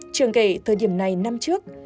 trường kể thời điểm này năm trước